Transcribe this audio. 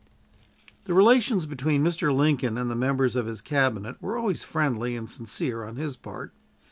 The relations between Mr. Lincoln and the members of his Cabinet were always friendly and sincere on his part.